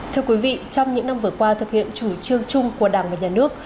thưa quý vị trong những năm vừa qua thực hiện chủ trương chung của đảng và nhà nước